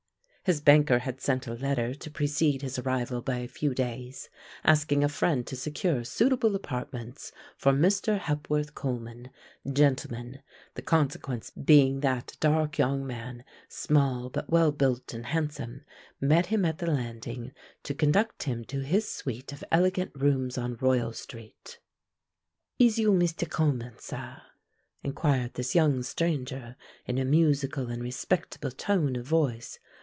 His banker had sent a letter to precede his arrival by a few days, asking a friend to secure suitable apartments for Mr. Hepworth Coleman, gentleman, the consequence being that a dark young man, small but well built and handsome, met him at the landing to conduct him to his suit of elegant rooms on Royal Street. "Is you Meestu Coleman, sah?" inquired this young stranger in a musical and respectful tone of voice.